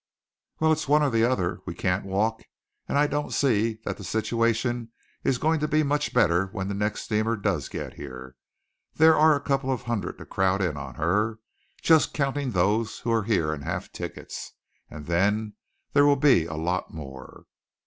"Well, it's one or the other. We can't walk; and I don't see that the situation is going to be much better when the next steamer does get here. There are a couple of hundred to crowd in on her just counting those who are here and have tickets. And then there will be a lot more."